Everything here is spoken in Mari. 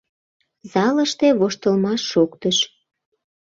Залыште воштылмаш шоктыш.